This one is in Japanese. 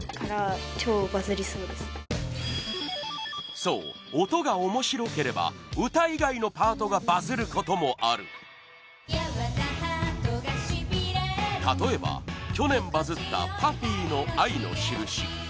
そう、音が面白ければ歌以外のパートがバズることもある例えば、去年バズったＰＵＦＦＹの「愛のしるし」